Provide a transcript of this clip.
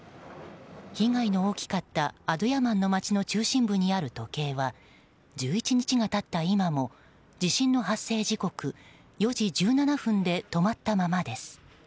被害の大きかったアドゥヤマンの町の中心部にある時計は１１日が経った今も地震の発生時刻４時１７分で止まったままです。